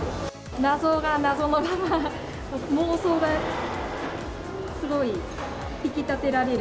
謎が謎のまま、妄想がすごい引き立てられる。